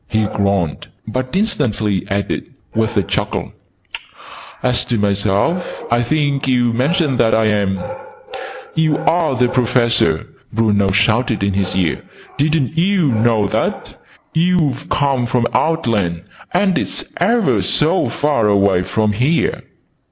He groaned, but instantly added, with a chuckle, "As to myself, I think you mentioned that I am " "Oo're the Professor!" Bruno shouted in his ear. "Didn't oo know that? Oo've come from Outland! And it's ever so far away from here!"